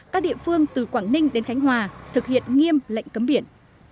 các địa phương từ quảng ninh đến khánh hòa thực hiện nghiêm lệnh cấm biển